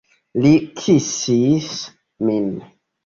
Li kisis min.